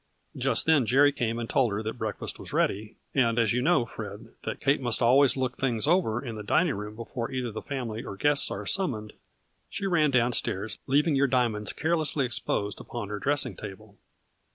Just then Jerry came and told her that breakfast was ready, and, as you know, Fred, that Kate must always look things over 24 A FLURRY IN DIAMONDS. in the dining room before either the family or guests are summoned, she ran down stairs, leaving your diamonds carelessly exposed upon her dressing table.